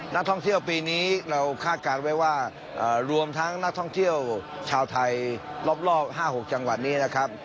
นักท่องเที่ยวปีนี้ล้วงทั้งนักท่องเที่ยวชาวไทยรอบห้าหกจังหวัดนี้นะครับ